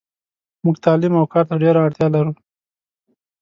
موږ تعلیم اوکارته ډیره اړتیالرو .